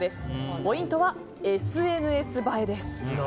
ポイントは、ＳＮＳ映えです。